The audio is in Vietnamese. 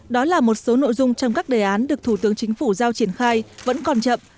đó là một số nội dung trong các đề án được thủ tướng chính phủ giao triển khai vẫn còn chậm